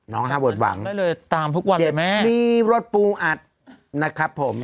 น้องฮาเวิร์ดหวังเจ็บนี่รถปูอัดนะครับผม